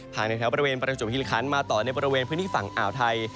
ในแถวบริเวณประจวบฮิริคันมาต่อในบริเวณพื้นที่ฝั่งอ่าวไทย